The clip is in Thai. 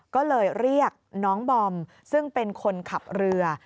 ก็เลยเรียกน้องบอมซึ่งเป็นคนขับเรือ